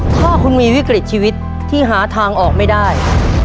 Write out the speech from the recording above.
ถ้าคุณมีวิกฤตชีวิตที่หาทางออกไม่ได้